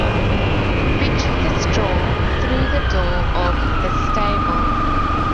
Pitch the straw through the door of the stable.